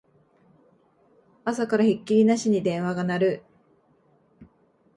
朝からひっきりなしに電話が鳴る